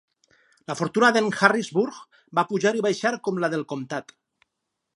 La fortuna d'en Harrisburg va pujar i baixar com la del comtat.